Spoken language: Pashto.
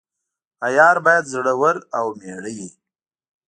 عیار باید زړه ور او میړه وي.